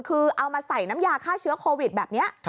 คือเอามาใส่น้ำยาฆ่าเชื้อโควิดแบบนี้